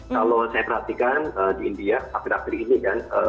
kalau saya perhatikan di india akhir akhir ini kan